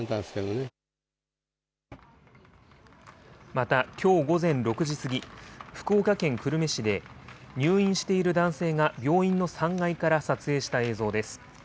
また、きょう午前６時過ぎ、福岡県久留米市で、入院している男性が病院の３階から撮影した映像です。